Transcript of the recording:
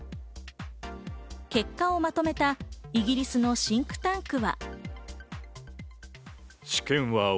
結果をまとめたイギリスのシンクタンクは。